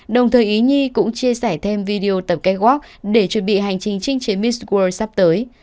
đồng thời ý nhi cũng chia sẻ thêm video tập cây góc để chuẩn bị hành trình trinh chế miss world sắp tới